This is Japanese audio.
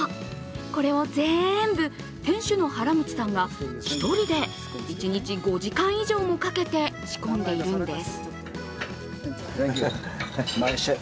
これを全部、店主の原口さんが１人で１日５時間以上もかけて仕込んでいるんです。